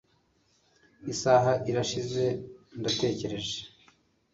isaha irashize ndategereje